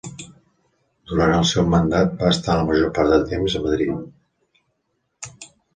Durant el seu mandat va estar la major part del temps a Madrid.